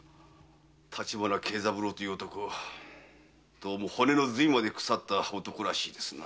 立花慶三郎という男どうも骨の髄まで腐った男らしいですな。